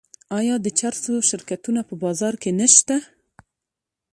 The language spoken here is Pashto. آیا د چرسو شرکتونه په بازار کې نشته؟